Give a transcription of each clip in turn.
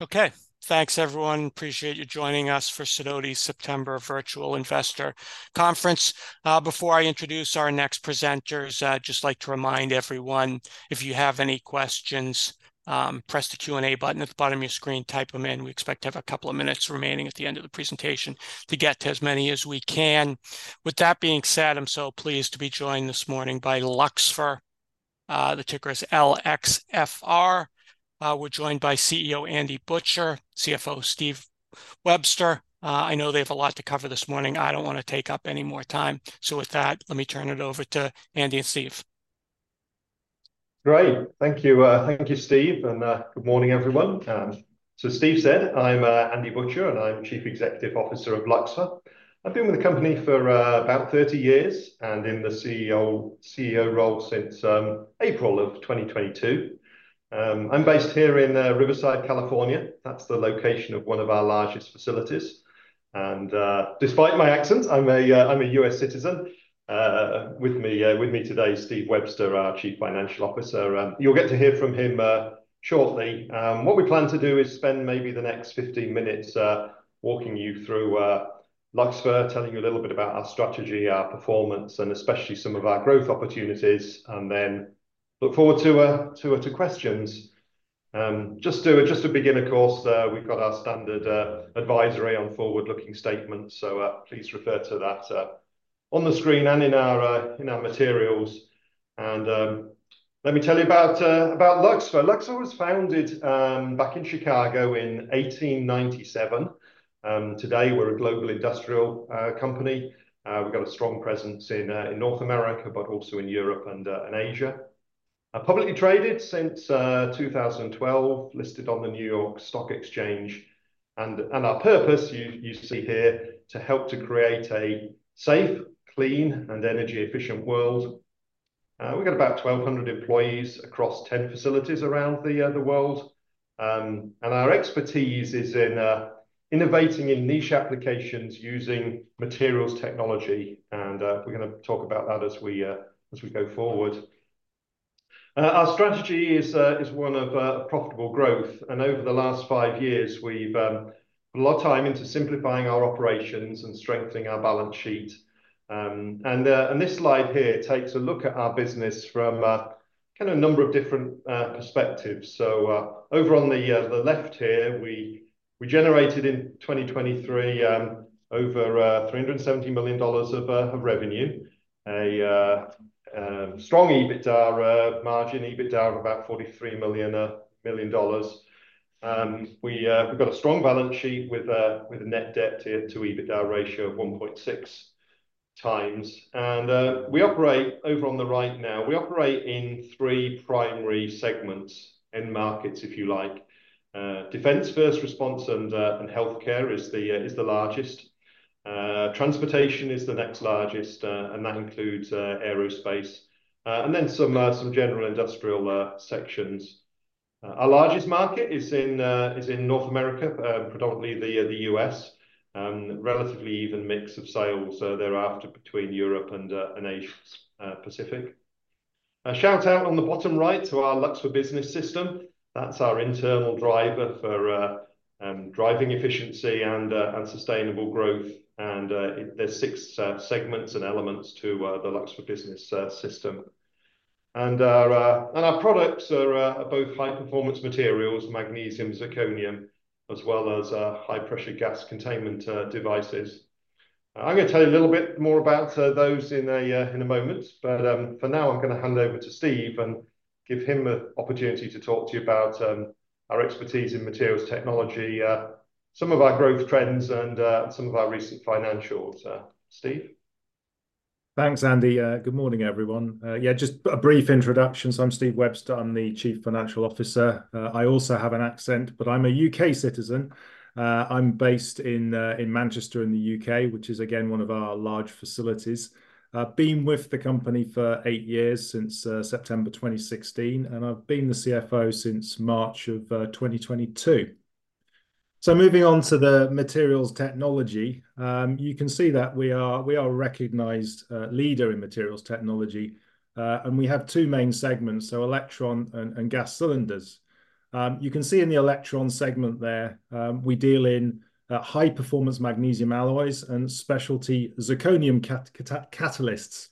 Okay. Thanks everyone, appreciate you joining us for Sidoti September Virtual Investor Conference. Before I introduce our next presenters, I'd just like to remind everyone, if you have any questions, press the Q&A button at the bottom of your screen, type them in. We expect to have a couple of minutes remaining at the end of the presentation to get to as many as we can. With that being said, I'm so pleased to be joined this morning by Luxfer. The ticker is LXFR. We're joined by CEO Andy Butcher, CFO Steve Webster. I know they have a lot to cover this morning. I don't wanna take up any more time, so with that, let me turn it over to Andy and Steve. Great. Thank you. Thank you, Steve, and good morning, everyone. So Steve said, I'm Andy Butcher, and I'm Chief Executive Officer of Luxfer. I've been with the company for about 30 years, and in the CEO role since April of 2022. I'm based here in Riverside, California. That's the location of one of our largest facilities, and despite my accent, I'm a U.S. citizen. With me today, Steve Webster, our Chief Financial Officer. You'll get to hear from him shortly. What we plan to do is spend maybe the next 15 minutes walking you through Luxfer, telling you a little bit about our strategy, our performance, and especially some of our growth opportunities, and then look forward to questions. Just to begin, of course, we've got our standard advisory on forward-looking statements, so please refer to that on the screen and in our materials. Let me tell you about Luxfer. Luxfer was founded back in Chicago in 1897. Today, we're a global industrial company. We've got a strong presence in North America, but also in Europe and Asia. Publicly traded since 2012, listed on the New York Stock Exchange, and our purpose, you see here, to help create a safe, clean, and energy-efficient world. We've got about 1,200 employees across 10 facilities around the world. Our expertise is in innovating in niche applications using materials technology, and we're gonna talk about that as we go forward. Our strategy is one of profitable growth, and over the last five years, we've put a lot of time into simplifying our operations and strengthening our balance sheet, and this slide here takes a look at our business from kind of a number of different perspectives. Over on the left here, we generated in 2023 over $370 million of revenue, a strong EBITDA margin, EBITDA of about $43 million. We've got a strong balance sheet with a net debt to EBITDA ratio of 1.6x. And we operate over on the right now. We operate in three primary segments, end markets, if you like. Defense, first response, and healthcare is the largest. Transportation is the next largest, and that includes aerospace, and then some general industrial sections. Our largest market is in North America, predominantly the U.S., relatively even mix of sales thereafter between Europe and Asia Pacific. A shout-out on the bottom right to our Luxfer Business System. That's our internal driver for driving efficiency and sustainable growth, and there's six segments and elements to the Luxfer Business System. And our products are both high-performance materials, magnesium, zirconium, as well as high-pressure gas containment devices. I'm gonna tell you a little bit more about those in a moment, but for now, I'm gonna hand over to Steve and give him an opportunity to talk to you about our expertise in materials technology, some of our growth trends, and some of our recent financials. Steve? Thanks, Andy. Good morning, everyone. Yeah, just a brief introduction. So I'm Steve Webster. I'm the Chief Financial Officer. I also have an accent, but I'm a U.K. citizen. I'm based in Manchester, in the U.K., which is again one of our large facilities. I've been with the company for eight years, since September 2016, and I've been the CFO since March of 2022. So moving on to the materials technology, you can see that we are a recognized leader in materials technology, and we have two main segments, so Elektron and Gas Cylinders. You can see in the Elektron segment there, we deal in high-performance magnesium alloys and specialty zirconium catalysts.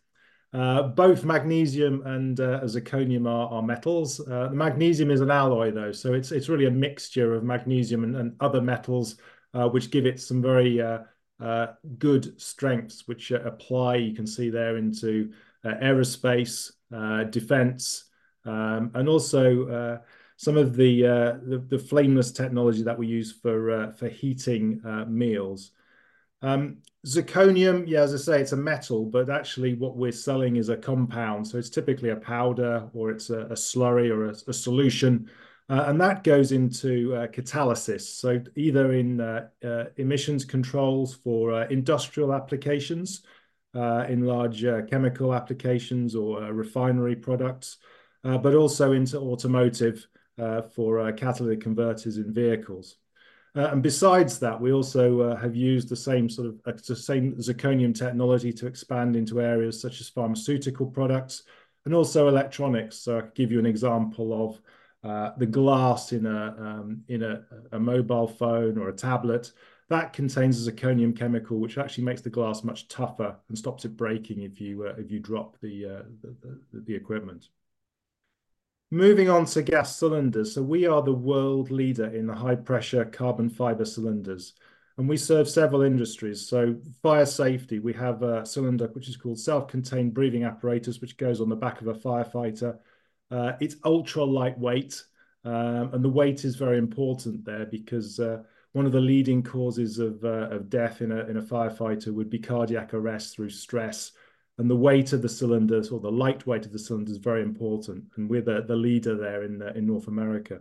Both magnesium and zirconium are metals. Magnesium is an alloy, though, so it's really a mixture of magnesium and other metals, which give it some very good strengths, which apply. You can see there into aerospace, defense, and also some of the flameless technology that we use for heating meals. Zirconium, yeah, as I say, it's a metal, but actually what we're selling is a compound, so it's typically a powder, or it's a slurry or a solution, and that goes into catalysis. So either in emissions controls for industrial applications, in large chemical applications or refinery products, but also into automotive, for catalytic converters in vehicles. And besides that, we also have used the same sort of zirconium technology to expand into areas such as pharmaceutical products and also electronics. I could give you an example of the glass in a mobile phone or a tablet. That contains a zirconium chemical, which actually makes the glass much tougher and stops it breaking if you drop the equipment. Moving on to Gas Cylinders. We are the world leader in the high-pressure carbon fiber cylinders, and we serve several industries. Fire safety, we have a cylinder which is called self-contained breathing apparatus, which goes on the back of a firefighter. It's ultra lightweight, and the weight is very important there because one of the leading causes of death in a firefighter would be cardiac arrest through stress, and the weight of the cylinder or the light weight of the cylinder is very important, and we're the leader there in North America.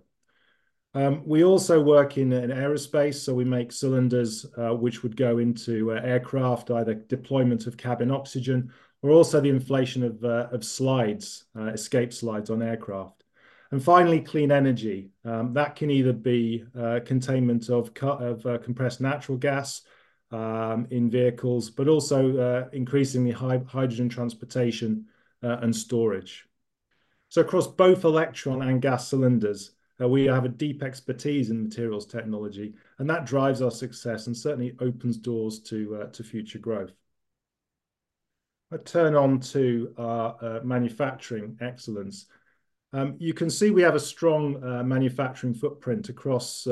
We also work in aerospace, so we make cylinders, which would go into aircraft, either deployment of cabin oxygen or also the inflation of slides, escape slides on aircraft. Finally, clean energy. That can either be containment of compressed natural gas in vehicles, but also increasingly hydrogen transportation and storage. So across both Elektron and Gas Cylinders, we have a deep expertise in materials technology, and that drives our success and certainly opens doors to future growth. I turn on to our manufacturing excellence. You can see we have a strong manufacturing footprint across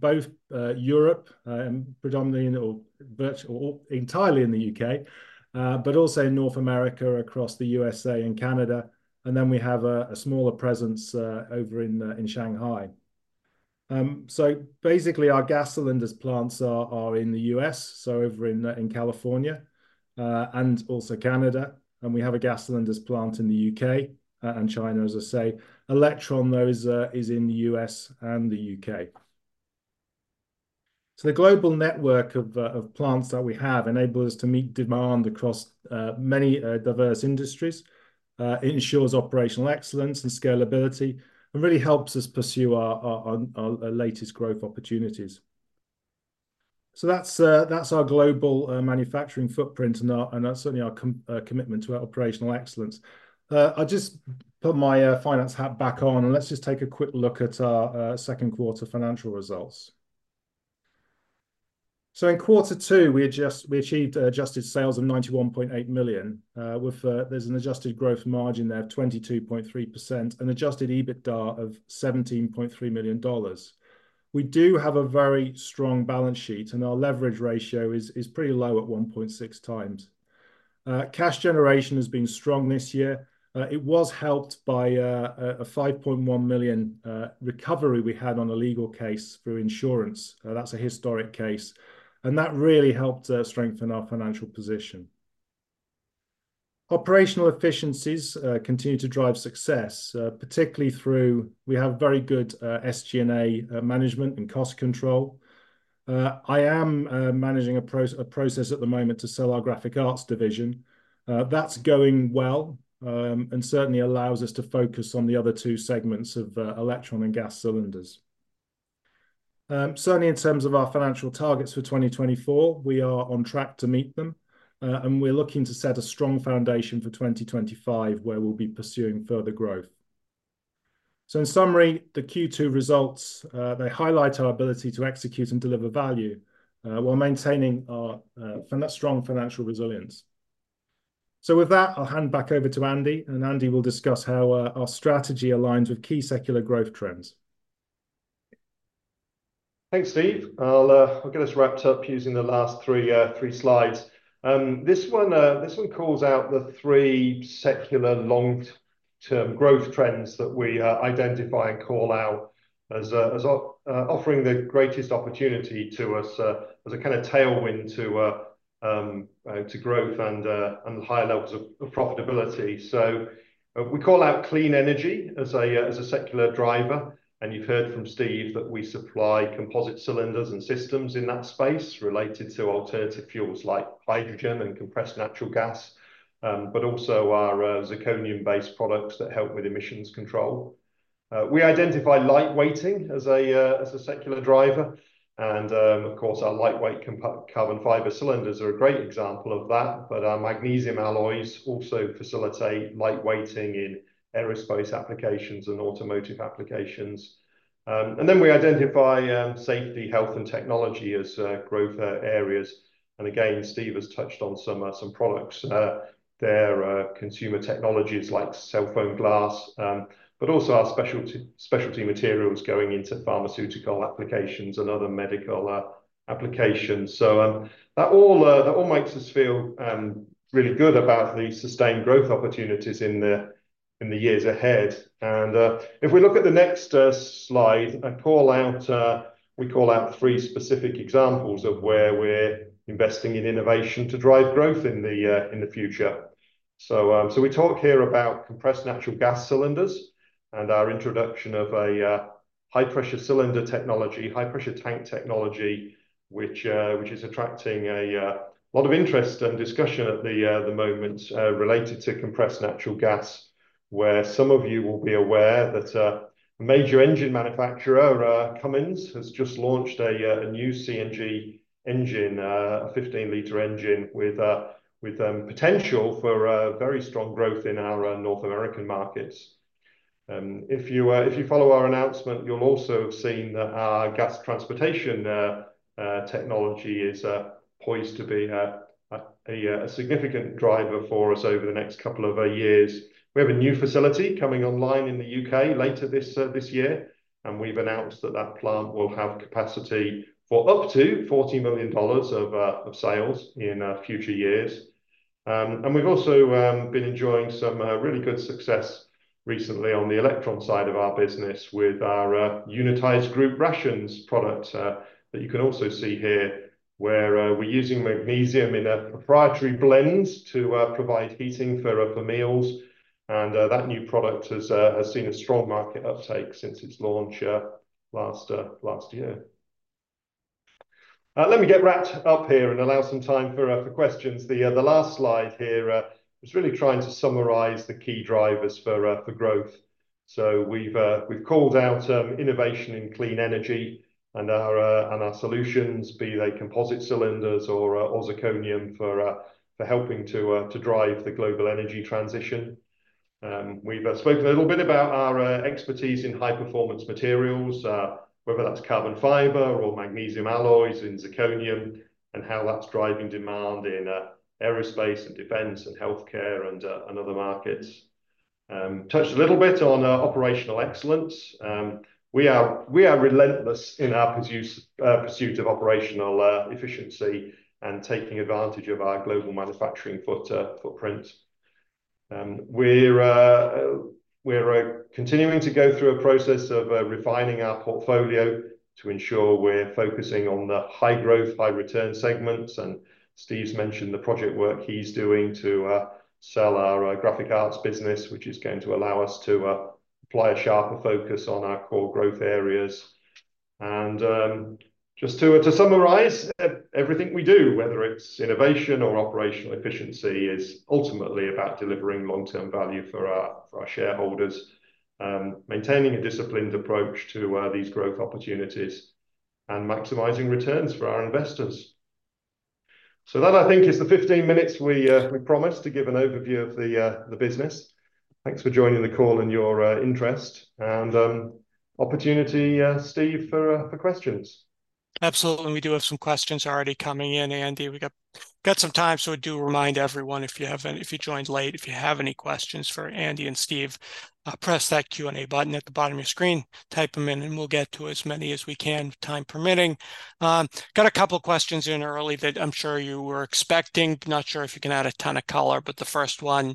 both Europe and predominantly or virtually or entirely in the U.K., but also in North America, across the U.S. and Canada, and then we have a smaller presence over in Shanghai. So basically, our Gas Cylinders plants are in the U.S., so over in California and also Canada, and we have a Gas Cylinders plant in the U.K. and China, as I say. Elektron, though, is in the U.S. and the U.K. So the global network of plants that we have enables us to meet demand across many diverse industries, ensures operational excellence and scalability, and really helps us pursue our latest growth opportunities. So that's our global manufacturing footprint, and that's certainly our commitment to our operational excellence. I'll just put my finance hat back on, and let's just take a quick look at our second quarter financial results. So in quarter two, we achieved adjusted sales of $91.8 million. With, there's an adjusted growth margin there of 22.3% and Adjusted EBITDA of $17.3 million. We do have a very strong balance sheet, and our leverage ratio is pretty low at 1.6x. Cash generation has been strong this year. It was helped by a $5.1 million recovery we had on a legal case through insurance. That's a historic case, and that really helped strengthen our financial position. Operational efficiencies continue to drive success, particularly through we have very good SG&A management and cost control. I am managing a process at the moment to sell our Graphic Arts division. That's going well, and certainly allows us to focus on the other two segments of Elektron and Gas Cylinders. Certainly in terms of our financial targets for 2024, we are on track to meet them, and we're looking to set a strong foundation for 2025, where we'll be pursuing further growth. So in summary, the Q2 results, they highlight our ability to execute and deliver value, while maintaining our strong financial resilience. So with that, I'll hand back over to Andy, and Andy will discuss how our strategy aligns with key secular growth trends. Thanks, Steve. I'll get us wrapped up using the last three slides. This one calls out the three secular long-term growth trends that we identify and call out as offering the greatest opportunity to us as a kind of tailwind to growth and higher levels of profitability, so we call out clean energy as a secular driver, and you've heard from Steve that we supply composite cylinders and systems in that space related to alternative fuels like hydrogen and compressed natural gas, but also our zirconium-based products that help with emissions control. We identify lightweighting as a secular driver, and, of course, our lightweight carbon fiber cylinders are a great example of that, but our magnesium alloys also facilitate lightweighting in aerospace applications and automotive applications. And then we identify safety, health, and technology as growth areas. And again, Steve has touched on some products there, consumer technologies like cellphone glass, but also our specialty materials going into pharmaceutical applications and other medical applications. So, that all makes us feel really good about the sustained growth opportunities in the years ahead. And, if we look at the next slide, we call out three specific examples of where we're investing in innovation to drive growth in the future. So we talk here about compressed natural gas cylinders and our introduction of a high-pressure cylinder technology, high-pressure tank technology, which is attracting a lot of interest and discussion at the moment, related to compressed natural gas, where some of you will be aware that a major engine manufacturer, Cummins, has just launched a new CNG engine, a fifteen-liter engine with potential for very strong growth in our North American markets. If you follow our announcement, you'll also have seen that our gas transportation technology is poised to be a significant driver for us over the next couple of years. We have a new facility coming online in the U.K. later this year, and we've announced that that plant will have capacity for up to $40 million of sales in future years, and we've also been enjoying some really good success recently on the Elektron side of our business with our Unitized Group Rations product that you can also see here, where we're using magnesium in a proprietary blend to provide heating for the meals, and that new product has seen a strong market uptake since its launch last year. Let me get wrapped up here and allow some time for questions. The last slide here was really trying to summarize the key drivers for growth. So we've called out innovation in clean energy and our solutions, be they composite cylinders or zirconium for helping to drive the global energy transition. We've spoken a little bit about our expertise in high-performance materials, whether that's carbon fiber or magnesium alloys in zirconium, and how that's driving demand in aerospace and defense and healthcare and other markets. Touched a little bit on operational excellence. We are relentless in our pursuit of operational efficiency and taking advantage of our global manufacturing footprint. We're continuing to go through a process of refining our portfolio to ensure we're focusing on the high-growth, high-return segments, and Steve's mentioned the project work he's doing to sell our Graphic Arts business, which is going to allow us to apply a sharper focus on our core growth areas, and just to summarize, everything we do, whether it's innovation or operational efficiency, is ultimately about delivering long-term value for our shareholders, maintaining a disciplined approach to these growth opportunities, and maximizing returns for our investors, so that, I think, is the 15 minutes we promised to give an overview of the business. Thanks for joining the call and your interest, and opportunity, Steve, for questions. Absolutely. We do have some questions already coming in, Andy. We got some time, so I do remind everyone, if you haven't... If you joined late, if you have any questions for Andy and Steve, press that Q&A button at the bottom of your screen. Type them in, and we'll get to as many as we can, time permitting. Got a couple of questions in early that I'm sure you were expecting. Not sure if you can add a ton of color, but the first one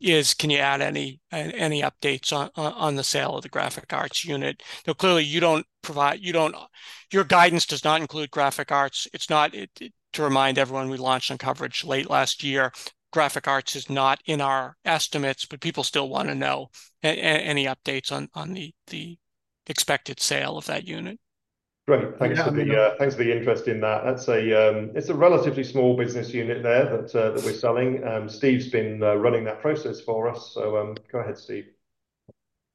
is: Can you add any updates on the sale of the Graphic Arts unit? Now, clearly, you don't provide your guidance does not include Graphic Arts. It's not. To remind everyone, we launched on coverage late last year. Graphic Arts is not in our estimates, but people still want to know any updates on the expected sale of that unit. Great. Thanks for the, Yeah-... thanks for the interest in that. That's a relatively small business unit there that we're selling. Steve's been running that process for us. So, go ahead, Steve.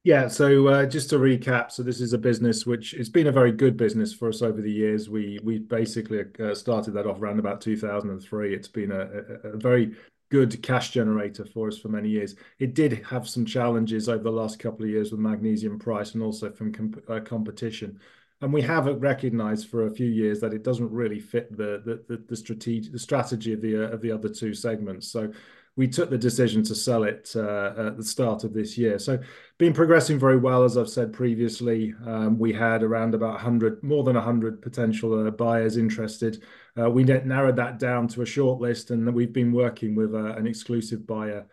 Yeah. So, just to recap, so this is a business which it's been a very good business for us over the years. We basically started that off around about two thousand and three. It's been a very good cash generator for us for many years. It did have some challenges over the last couple of years with magnesium price and also from competition. And we have recognized for a few years that it doesn't really fit the strategy of the other two segments. So we took the decision to sell it at the start of this year. So been progressing very well. As I've said previously, we had around about a hundred, more than a hundred potential buyers interested. We then narrowed that down to a shortlist, and we've been working with an exclusive buyer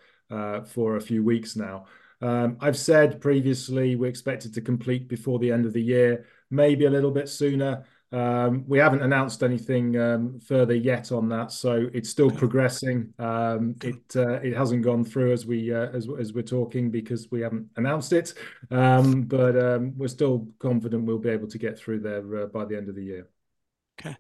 for a few weeks now. I've said previously, we expected to complete before the end of the year, maybe a little bit sooner. We haven't announced anything further yet on that, so it's still- Yeah... progressing. It hasn't gone through as we're talking because we haven't announced it. But we're still confident we'll be able to get through there by the end of the year. Okay.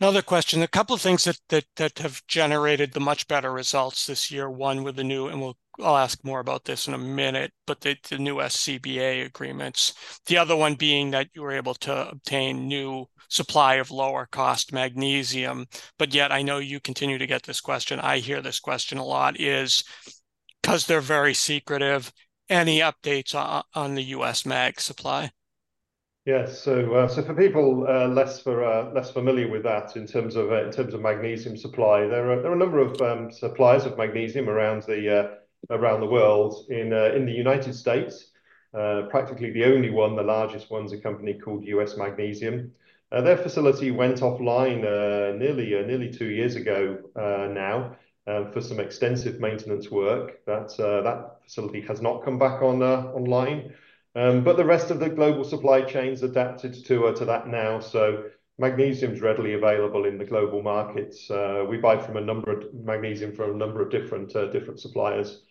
Another question. A couple of things that have generated the much better results this year. One, with the new, and we'll, I'll ask more about this in a minute, but the new SCBA agreements. The other one being that you were able to obtain new supply of lower-cost magnesium. But yet I know you continue to get this question, I hear this question a lot, is, 'cause they're very secretive, any updates on the U.S. Magnesium supply? Yes. So, for people less familiar with that in terms of magnesium supply, there are a number of suppliers of magnesium around the world. In the United States, practically the only one, the largest one, is a company called US Magnesium. Their facility went offline nearly two years ago now for some extensive maintenance work. That facility has not come back on online. But the rest of the global supply chains adapted to that now. So magnesium's readily available in the global markets. We buy magnesium from a number of different suppliers.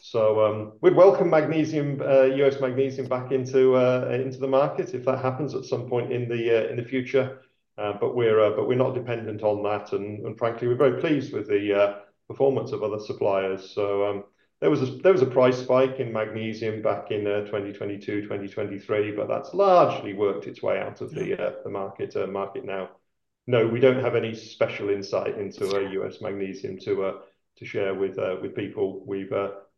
So, we'd welcome magnesium, US Magnesium back into the market, if that happens at some point in the future. But we're not dependent on that, and frankly, we're very pleased with the performance of other suppliers. So, there was a price spike in magnesium back in 2022, 2023, but that's largely worked its way out of the market now. No, we don't have any special insight into US Magnesium to share with people. We've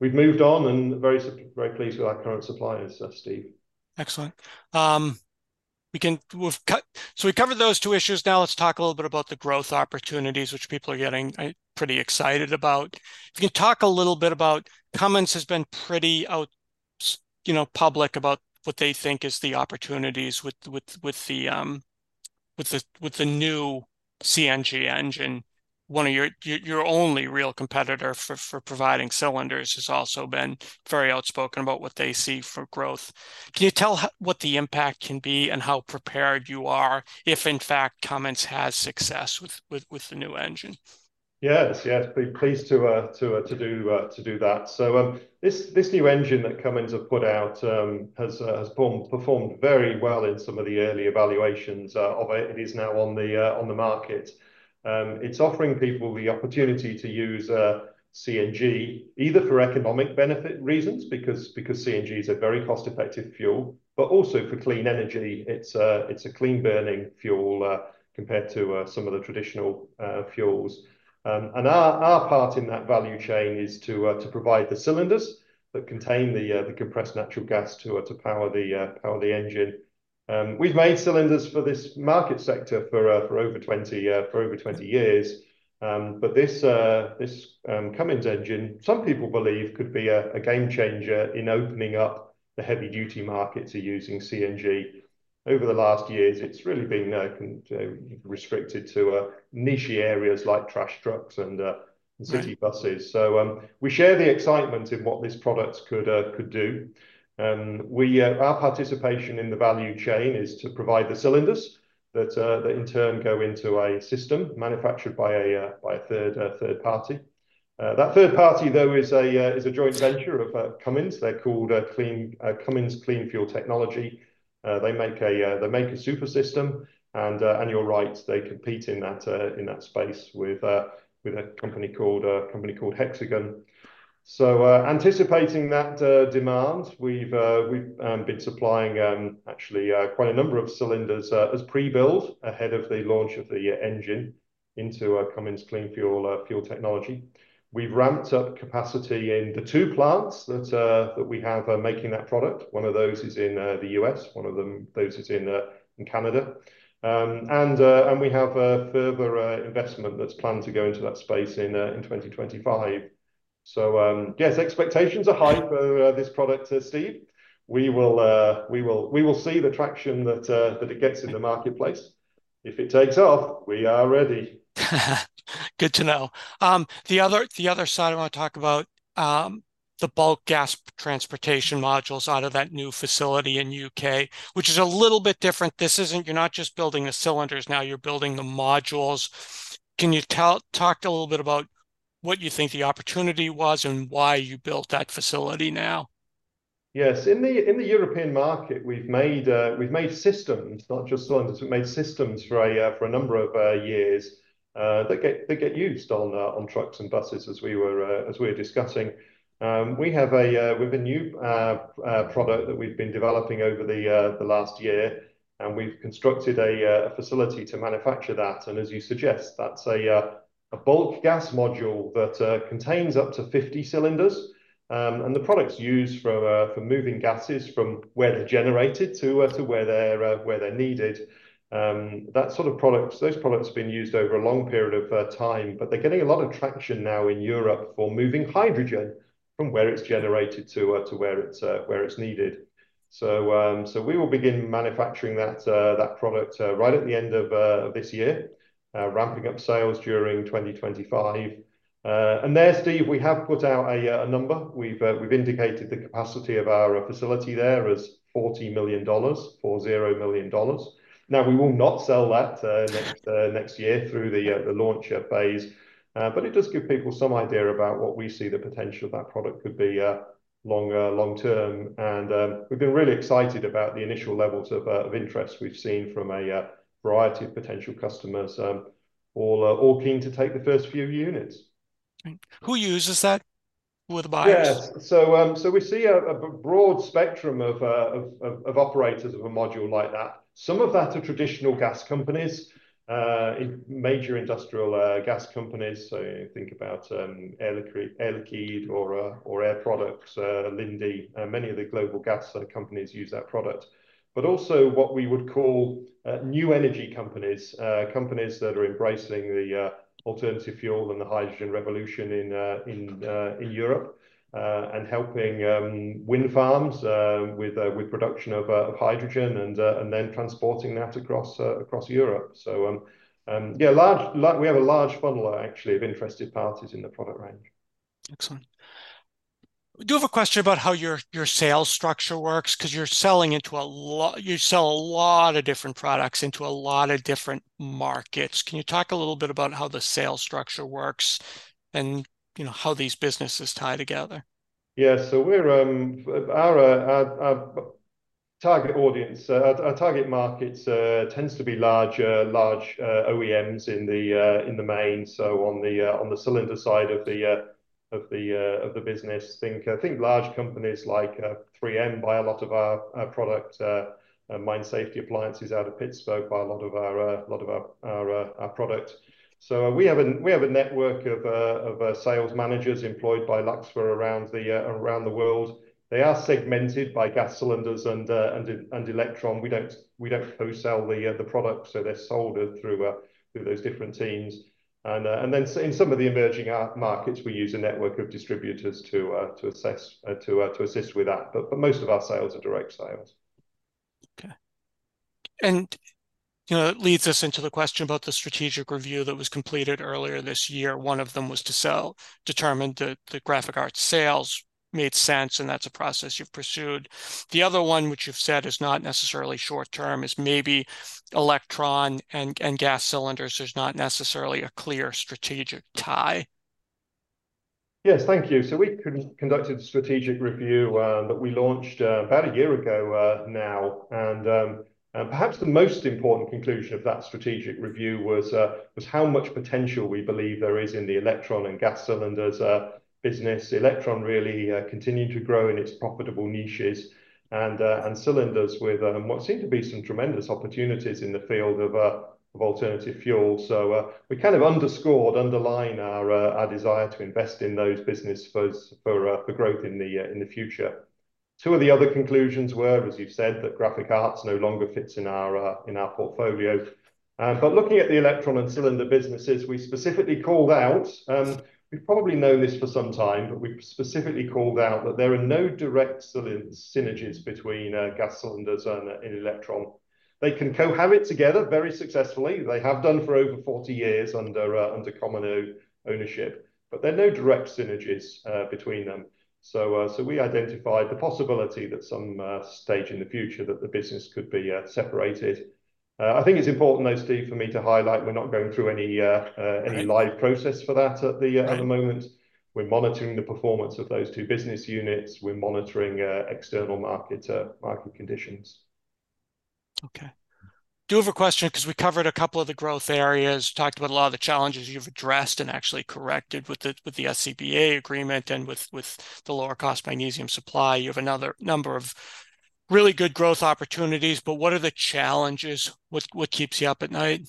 moved on, and very pleased with our current suppliers, Steve. Excellent. We've covered those two issues. Now let's talk a little bit about the growth opportunities, which people are getting pretty excited about. If you can talk a little bit about, Cummins has been pretty outspoken, you know, about what they think is the opportunities with the new CNG engine. One of your only real competitor for providing cylinders has also been very outspoken about what they see for growth. Can you tell what the impact can be and how prepared you are, if in fact, Cummins has success with the new engine? Yes, yes. Be pleased to do that. So, this new engine that Cummins have put out has performed very well in some of the early evaluations of it. It is now on the market. It's offering people the opportunity to use CNG, either for economic benefit reasons, because CNG is a very cost-effective fuel, but also for clean energy. It's a clean-burning fuel compared to some of the traditional fuels. And our part in that value chain is to provide the cylinders that contain the compressed natural gas to power the engine. We've made cylinders for this market sector for over 20 years. But this Cummins engine, some people believe could be a game changer in opening up the heavy-duty markets to using CNG. Over the last years, it's really been restricted to niche areas like trash trucks and city buses. So, we share the excitement in what this product could do. Our participation in the value chain is to provide the cylinders that in turn go into a system manufactured by a third party. That third party, though, is a joint venture of Cummins. They're called Cummins Clean Fuel Technologies. They make a super system, and you're right, they compete in that space with a company called Hexagon. So, anticipating that demand, we've been supplying actually quite a number of cylinders as pre-build ahead of the launch of the engine into Cummins Clean Fuel Technologies. We've ramped up capacity in the two plants that we have are making that product. One of those is in the U.S., one of those is in Canada. And we have a further investment that's planned to go into that space in 2025. So, yes, expectations are high for this product, Steve. We will see the traction that it gets in the marketplace. If it takes off, we are ready. Good to know. The other side, I want to talk about, the bulk gas transport modules out of that new facility in the U.K., which is a little bit different. This isn't. You're not just building the cylinders now, you're building the modules. Can you talk a little bit about what you think the opportunity was and why you built that facility now? Yes. In the European market, we've made systems, not just cylinders, we've made systems for a number of years that get used on trucks and buses, as we were discussing. We have a new product that we've been developing over the last year, and we've constructed a facility to manufacture that. And as you suggest, that's a bulk gas module that contains up to 50 cylinders. And the products used for moving gases from where they're generated to where they're needed. That sort of products, those products have been used over a long period of time, but they're getting a lot of traction now in Europe for moving hydrogen from where it's generated to where it's needed. So we will begin manufacturing that product right at the end of this year, ramping up sales during 2025. And there, Steve, we have put out a number. We've indicated the capacity of our facility there as $40 million, $40 million dollars. Now, we will not sell that next year through the launch phase. But it does give people some idea about what we see the potential of that product could be long term. We've been really excited about the initial levels of interest we've seen from a variety of potential customers, all keen to take the first few units. Who uses that? Who are the buyers? Yes. So we see a broad spectrum of operators of a module like that. Some of that are traditional gas companies, major industrial gas companies. So think about Air Liquide or Air Products, Linde. Many of the global gas companies use that product, but also what we would call new energy companies. Companies that are embracing the alternative fuel and the hydrogen revolution in Europe and helping wind farms with production of hydrogen and then transporting that across Europe. So yeah, large, like we have a large funnel actually, of interested parties in the product range. Excellent. We do have a question about how your sales structure works, 'cause you're selling into a lot. You sell a lot of different products into a lot of different markets. Can you talk a little bit about how the sales structure works and, you know, how these businesses tie together? Yeah. So we're our target audience our target markets tends to be large OEMs in the main. So on the cylinder side of the business. Think, I think large companies like 3M buy a lot of our product and Mine Safety Appliances out of Pittsburgh buy a lot of our product. So we have a network of sales managers employed by Luxfer around the world. They are segmented by Gas Cylinders and Elektron. We don't wholesale the product, so they're sold through those different teams. In some of the emerging markets, we use a network of distributors to assist with that. But most of our sales are direct sales. Okay. And, you know, it leads us into the question about the strategic review that was completed earlier this year. One of them was to sell, determined that the Graphic Arts sales made sense, and that's a process you've pursued. The other one, which you've said is not necessarily short term, is maybe Elektron and Gas Cylinders. There's not necessarily a clear strategic tie. Yes. Thank you. We conducted a strategic review that we launched about a year ago now. And perhaps the most important conclusion of that strategic review was how much potential we believe there is in the Elektron and Gas Cylinders business. Elektron really continued to grow in its profitable niches, and cylinders with what seemed to be some tremendous opportunities in the field of alternative fuel. We kind of underscored, underlined our desire to invest in those business first for growth in the future. Two of the other conclusions were, as you've said, that graphic arts no longer fits in our portfolio. But looking at the Elektron and Cylinder businesses, we specifically called out, we've probably known this for some time, but we specifically called out that there are no direct synergies between Gas Cylinders and Elektron. They can cohabit together very successfully. They have done for over forty years under common ownership, but there are no direct synergies between them. So we identified the possibility that some stage in the future that the business could be separated. I think it's important, though, Steve, for me to highlight we're not going through any live process for that at the moment. We're monitoring the performance of those two business units. We're monitoring external market conditions. Okay. Do you have a question? Because we covered a couple of the growth areas, talked about a lot of the challenges you've addressed and actually corrected with the, with the SCBA agreement and with, with the lower cost magnesium supply. You have another number of really good growth opportunities, but what are the challenges? What, what keeps you up at night?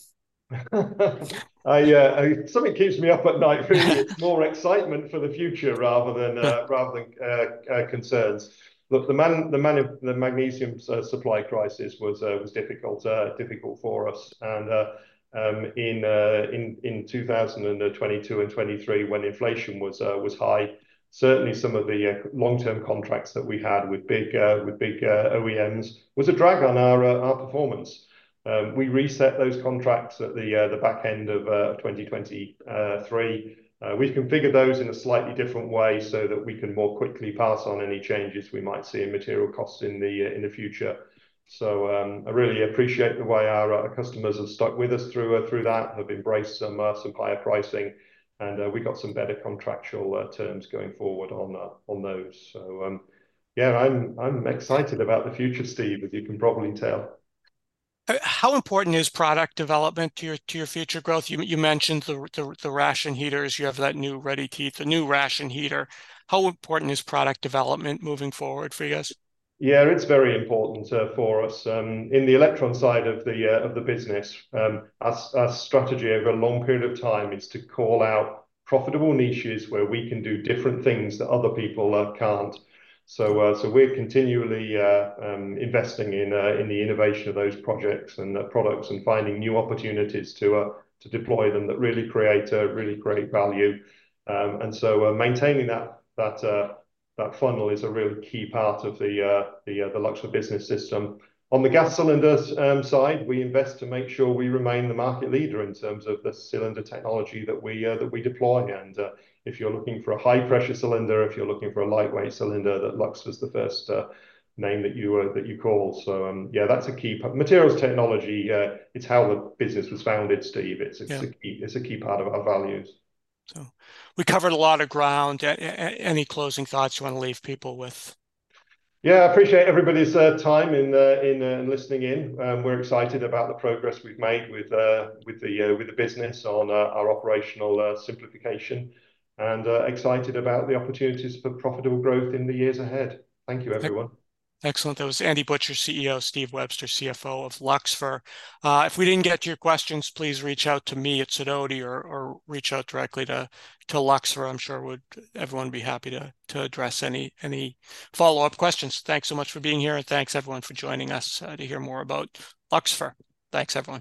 Something keeps me up at night, but it's more excitement for the future rather than concerns. Look, the magnesium supply crisis was difficult for us, and in two thousand and 2022 and 2023, when inflation was high, certainly some of the long-term contracts that we had with big OEMs was a drag on our performance. We reset those contracts at the back end of 2023. We've configured those in a slightly different way so that we can more quickly pass on any changes we might see in material costs in the future. So, I really appreciate the way our customers have stuck with us through that, have embraced some higher pricing, and we got some better contractual terms going forward on those. So, yeah, I'm excited about the future, Steve, as you can probably tell. How important is product development to your future growth? You mentioned the ration heaters. You have that new ready heat, the new ration heater. How important is product development moving forward for you guys? Yeah, it's very important for us. In the Elektron side of the business, our strategy over a long period of time is to call out profitable niches where we can do different things that other people can't. So, so we're continually investing in the innovation of those projects and the products, and finding new opportunities to deploy them that really create really great value. And so, maintaining that funnel is a really key part of the Luxfer Business System. On the Gas Cylinders side, we invest to make sure we remain the market leader in terms of the cylinder technology that we deploy. And if you're looking for a high-pressure cylinder, if you're looking for a lightweight cylinder, that Luxfer is the first name that you call. So yeah, that's a key materials technology. It's how the business was founded, Steve. Yeah. It's a key part of our values. So we covered a lot of ground. Any closing thoughts you wanna leave people with? Yeah. I appreciate everybody's time and interest in listening in. We're excited about the progress we've made with the business on our operational simplification, and excited about the opportunities for profitable growth in the years ahead. Thank you, everyone. Excellent. That was Andy Butcher, CEO, Steve Webster, CFO of Luxfer. If we didn't get to your questions, please reach out to me at Sidoti or reach out directly to Luxfer. I'm sure everyone would be happy to address any follow-up questions. Thanks so much for being here, and thanks everyone for joining us to hear more about Luxfer. Thanks, everyone.